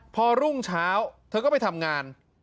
พอรุ่งเช้าเธอก็ไปทำงาน